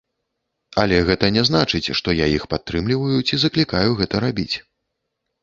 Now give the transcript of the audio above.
Але гэта не значыць, што я іх падтрымліваю ці заклікаю гэта рабіць.